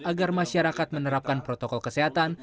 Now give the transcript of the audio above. agar masyarakat menerapkan protokol kesehatan